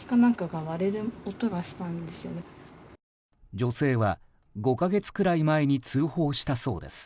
女性は５か月くらい前に通報したそうです。